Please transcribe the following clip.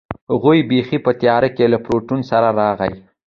هغه بیخي په تیاره کې له پرنټر سره راغی.